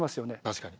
確かに。